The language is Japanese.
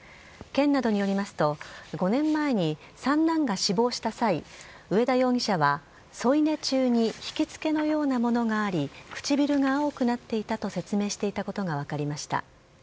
県などによりますと、５年前に三男が死亡した際上田容疑者は添い寝中に引きつけのようなものがあり唇が青くなっていたと説明していたことが分かりました。